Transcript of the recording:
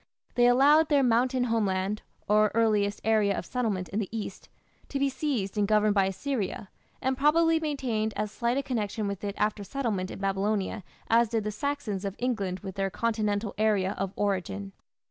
They allowed their mountain homeland, or earliest area of settlement in the east, to be seized and governed by Assyria, and probably maintained as slight a connection with it after settlement in Babylonia as did the Saxons of England with their Continental area of origin.